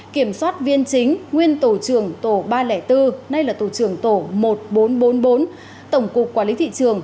kiểm soát viên chính nguyên tổ trưởng tổ ba trăm linh bốn nay là tổ trưởng tổ một nghìn bốn trăm bốn mươi bốn tổng cục quản lý thị trường